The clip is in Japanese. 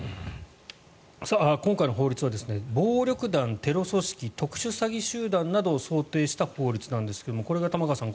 今回の法律は暴力団テロ組織特殊詐欺集団などを想定した法律なんですがこれが玉川さん